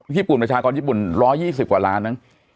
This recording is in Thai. ญี่ปุ่นประชากรญี่ปุ่น๑๒๐กว่าล้านมั้ง